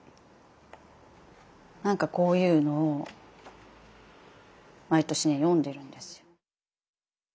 なんかこういうのを毎年ね読んでるんですよ。